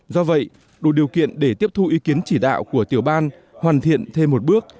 do vậy đủ điều kiện để tiếp thu ý kiến chỉ đạo của tiểu ban hoàn thiện thêm một bước